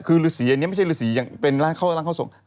คือฤษีอันนี้ไม่ใช่ฤษีอย่างเป็นร่างเข้าส่ง